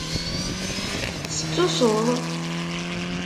Tettusuḍ?